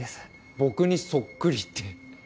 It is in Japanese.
僕にそっくりって。